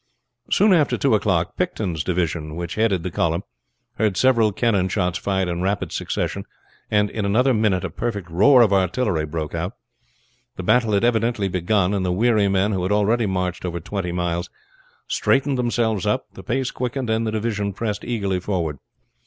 Soon after two o'clock Picton's division, which headed the column, heard several cannon shots fired in rapid succession, and in another minute a perfect roar of artillery broke out. The battle had evidently begun; and the weary men, who had already marched over twenty miles, straightened themselves up, the pace quickened, and the division pressed eagerly forward.